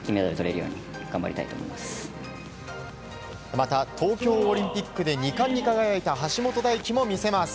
また東京オリンピックで２冠に輝いた橋本大輝も見せます。